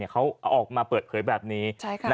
เขาออกมาเปิดเผยแบบนี้